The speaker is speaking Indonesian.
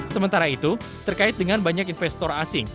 sementara itu terkait dengan banyak investor asing